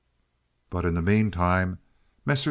But in the mean time Messrs.